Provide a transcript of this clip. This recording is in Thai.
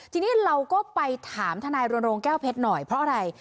ทีนี้เราก็ไปถามทนายรณรงค์แก้วเพชรหน่อยเพราะอะไร